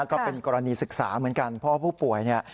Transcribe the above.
ก็เป็นกรณีศึกษาเหมือนกันเพราะว่าผู้ป่วยเนี่ย